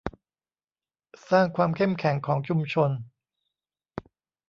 สร้างความเข้มแข็งของชุมชน